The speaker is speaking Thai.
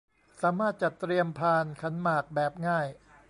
สามารถจัดเตรียมพานขันหมากแบบง่าย